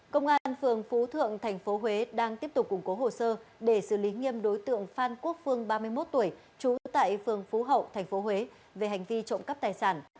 công an phường phú thượng tp huế đang tiếp tục củng cố hồ sơ để xử lý nghiêm đối tượng phan quốc phương ba mươi một tuổi trú tại phường phú hậu tp huế về hành vi trộm cắp tài sản